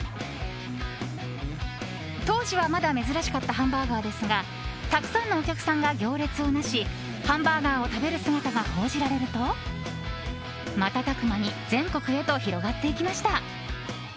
当時は、まだ珍しかったハンバーガーですがたくさんのお客さんが行列をなしハンバーガーを食べる姿が報じられると瞬く間に全国へと広がっていきました。